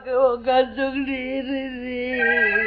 gapapa ya gani rumpah